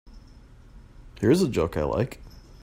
Here's a joke I like.